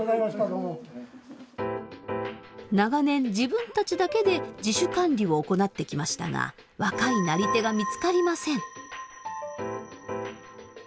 長年自分たちだけで自主管理を行ってきましたが若いなり手が見つかりません。